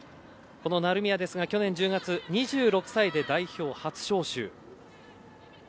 成宮ですが去年１０月２６歳で代表初招集。